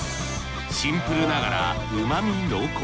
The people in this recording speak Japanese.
シンプルながら旨み濃厚。